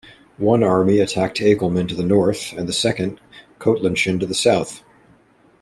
One army attacked Acolman to the north and the second Coatlinchan to the south.